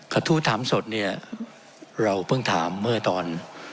กระทู้ถามสดเนี่ยเราเพิ่งถามเมื่อตอน